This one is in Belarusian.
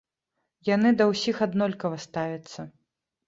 Яны да ўсіх аднолькава ставяцца.